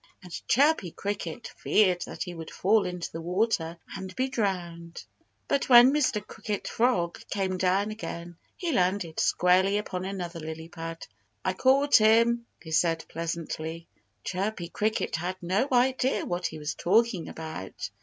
And Chirpy Cricket feared that he would fall into the water and be drowned. But when Mr. Cricket Frog came down again he landed squarely upon another lily pad. "I caught him," he said pleasantly. Chirpy Cricket had no idea what he was talking about.